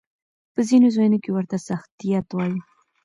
په ځينو ځايونو کې ورته ساختيات وايي.